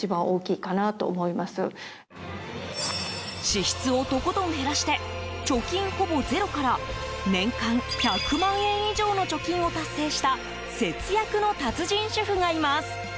支出をとことん減らして貯金ほぼ０から年間１００万円以上の貯金を達成した節約の達人主婦がいます。